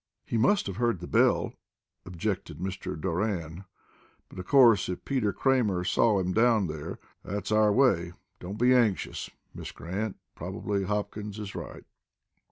"He must have heard the bell," objected Mr. Doran, "but, of course, if Peter Kramer saw him down there, that's our way. Don't be anxious, Miss Grant; probably Hopkins is right."